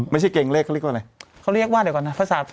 ไม่ใช่เกรงเลขเขาเรียกว่าอะไร